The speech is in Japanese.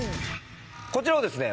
こちらをですね